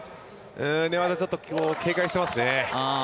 寝技、警戒してますね。